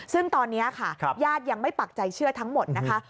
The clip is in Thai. ซึ่งตอนนี้ค่ะญาติยังไม่ปักใจเชื่อทั้งหมดนะคะ